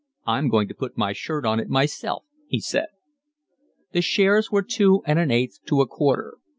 "I'm going to put my shirt on it myself," he said. The shares were two and an eighth to a quarter.